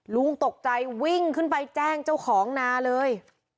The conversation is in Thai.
ลุงตกใจวิ่งขึ้นไปแจ้งเจ้าของนาเลย